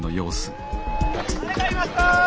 誰かいますか？